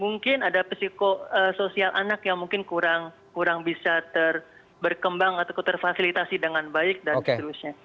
mungkin ada mungkin ada psikosoial anak yang mungkin kurang bisa terberkembang atau terfasilitasi dengan baik dan seterusnya